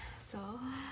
そう。